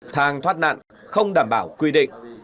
thang thoát nạn không đảm bảo quy định